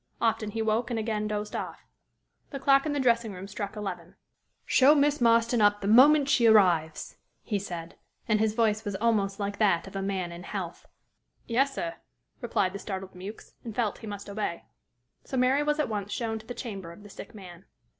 Often he woke and again dozed off. The clock in the dressing room struck eleven. "Show Miss Marston up the moment she arrives," he said and his voice was almost like that of a man in health. "Yes, sir," replied the startled Mewks, and felt he must obey. So Mary was at once shown to the chamber of the sick man.